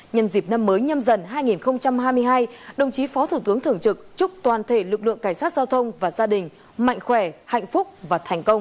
nhân dịp năm mới nhâm dần hai nghìn hai mươi hai đồng chí phó thủ tướng thường trực chúc toàn thể lực lượng cảnh sát giao thông và gia đình mạnh khỏe hạnh phúc và thành công